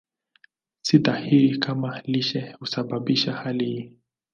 Si dhahiri kama lishe husababisha hali hii.